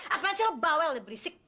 apaan sih lu bawel nih berisik